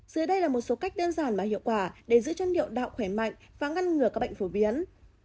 dưới đây là một số cách đơn giản mà hiệu quả để giữ cho niệu đạo khỏe mạnh và ngăn ngừa các bệnh phổ biến